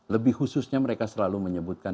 lebih khususnya mereka selalu menyebutkan